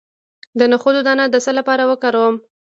د نخود دانه د څه لپاره وکاروم؟